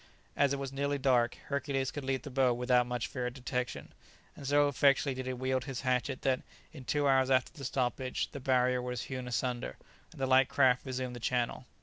As it was nearly dark, Hercules could leave the boat without much fear of detection, and so effectually did he wield his hatchet that, in two hours after the stoppage, the barrier was hewn asunder, and the light craft resumed the channel.